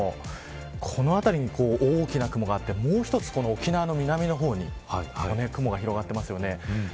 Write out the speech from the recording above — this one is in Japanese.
この辺りに大きな雲があってもう１つ沖縄の南の方に雲が広がっています。